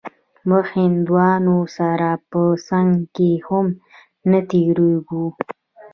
موږ هندوانو سره په څنگ کښې هم نه تېرېږو.